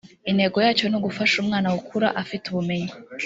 Intego yacyo ni ugufasha umwana gukura afite ubumenyi